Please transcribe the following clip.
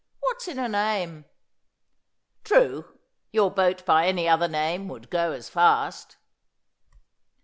' What's in a name ?'' True ! Your boat by any other name would go as fast.'